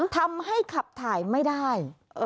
ทำให้ขับถ่ายไม่ได้